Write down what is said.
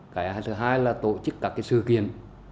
cái thứ hai là tổ chức các sự kiện